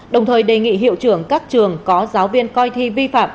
đồng thời đề nghị hiệu trưởng các trường có giáo viên coi thi vi phạm